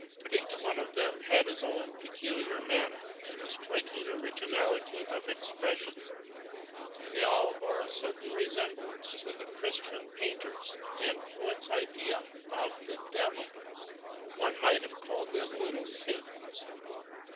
But each one of them had his own peculiar manner and a striking originality of expression; and they all bore a certain resemblance to the Christian painters' and poets' idea of the devil one might have called them little Satans.